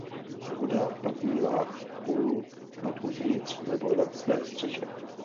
Bouda pak mívá kůl buď uvnitř nebo na své střeše.